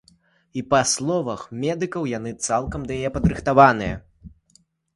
І па словах медыкаў, яны цалкам да яе падрыхтаваныя.